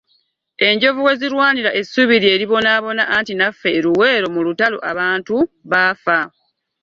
Enjovu we zirwanira ssubi lye libonaabona anti naffe e Luweero mu lutalo abantu baafa.